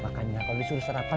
makanya kalau disuruh sarapan